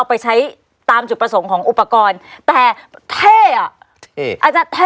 อาจารย์เท่อ่ะ